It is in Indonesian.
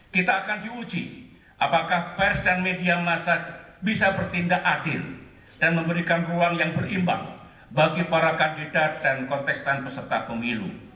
kita akan diuji apakah pers dan media masa bisa bertindak adil dan memberikan ruang yang berimbang bagi para kandidat dan kontestan peserta pemilu